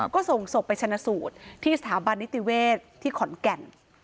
ก็ส่งศพไปชนะสูตรที่สถาบันนิติเวศที่ขอนแก่น